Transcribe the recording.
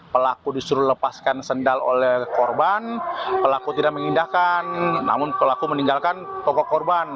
pelaku disuruh lepaskan sendal oleh korban pelaku tidak mengindahkan namun pelaku meninggalkan toko korban